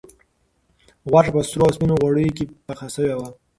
غوښه په سرو او سپینو غوړیو کې پخه شوې وه.